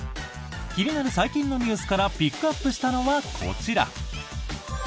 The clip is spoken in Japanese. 気になる最近のニュースからピックアップしたのは、こちら！